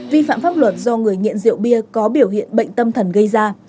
vi phạm pháp luật do người nghiện rượu bia có biểu hiện bệnh tâm thần gây ra